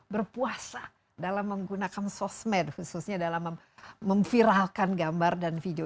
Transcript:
berpuasa dalam menggunakan sosmed khususnya dalam memviralkan gambar dan video